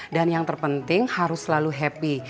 dan yang terpenting harus selalu happy